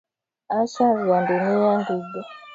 Acha vya dunia ndugu.